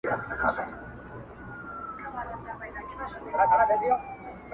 وس پردی وو د خانانو ملکانو،